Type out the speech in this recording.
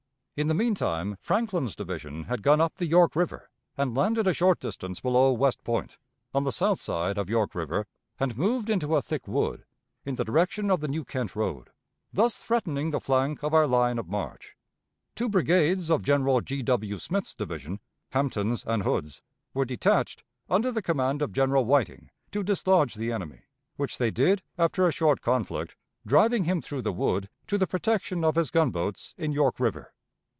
In the mean time Franklin's division had gone up the York River, and landed a short distance below West Point, on the south side of York River, and moved into a thick wood in the direction of the New Kent road, thus threatening the flank of our line of march. Two brigades of General G. W. Smith's division, Hampton's and Hood's, were detached under the command of General Whiting to dislodge the enemy, which they did after a short conflict, driving him through the wood to the protection of his gunboats in York River.